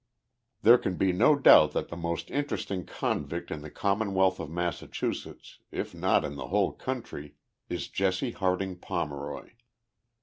There can be no doubt that the most interesting convict in the Commonwealth of Massachusetts, if not in the whole country, is Jesse Harding Pomeroy.